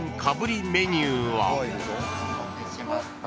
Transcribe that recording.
お待たせしました。